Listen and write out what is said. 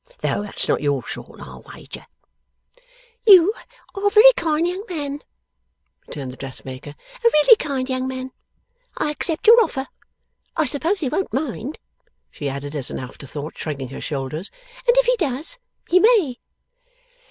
Though that's not your sort, I'll wager.' 'You are a very kind young man,' returned the dressmaker; 'a really kind young man. I accept your offer. I suppose He won't mind,' she added as an afterthought, shrugging her shoulders; 'and if he does, he may!